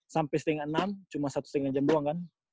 sampai setengah enam cuma satu setengah jam doang kan